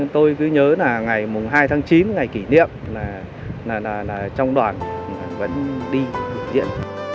tôi cứ nhớ là ngày hai tháng chín ngày kỷ niệm là trong đoàn vẫn đi diễn